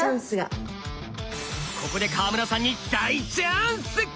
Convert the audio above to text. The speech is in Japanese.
ここで川村さんに大チャンス！